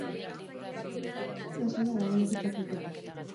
Hasi da dagoeneko txapelketa!